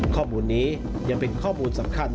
ข้อมูลนี้ยังเป็นข้อมูลสำคัญ